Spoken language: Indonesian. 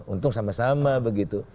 untung sama sama begitu